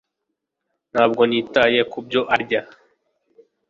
ntabwo nitaye kubyo arya